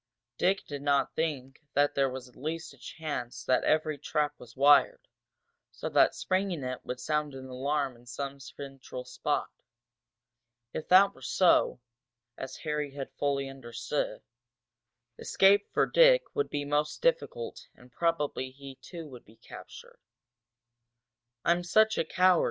Dick did not think that there was at least a chance that every trap was wired, so that springing it would sound an alarm in some central spot. If that were so, as Harry had fully understood, escape for Dick would be most difficult and probably he too would be captured. "I'm such a coward!"